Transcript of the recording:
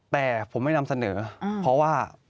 แต่ผมไม่นำเสนอเพราะว่า